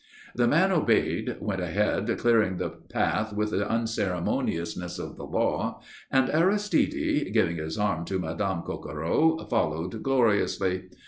The man obeyed, went ahead clearing the path with the unceremoniousness of the law, and Aristide giving his arm to Madame Coquereau followed gloriously.